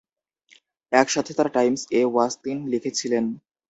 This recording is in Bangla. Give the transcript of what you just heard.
একসাথে, তারা "টাইমস এ-ওয়াস্তিন" লিখেছিলেন।